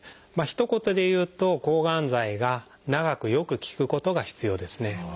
ひと言で言うと抗がん剤が長くよく効くことが必要ですね。